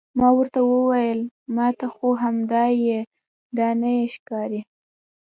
ما ورته وویل ما ته خو همدایې دانایي ښکاري.